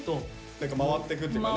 何か回っていくっていうかね。